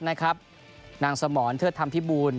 นางสหมอนเทือดธรรมพิบูรณ์